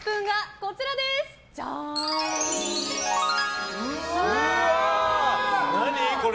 これ？